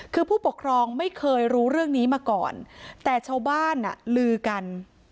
คือผู้ปกครองไม่เคยรู้เรื่องนี้มาก่อนแต่ชาวบ้านลือกัน